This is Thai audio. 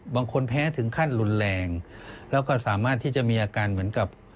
แพ้ถึงขั้นรุนแรงแล้วก็สามารถที่จะมีอาการเหมือนกับ